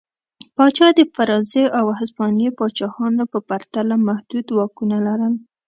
پاچا د فرانسې او هسپانیې پاچاهانو په پرتله محدود واکونه لرل.